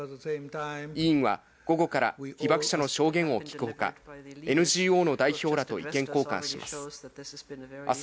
委員は午後から被爆者の証言を聞くほか、ＮＧＯの代表らと意見交換します。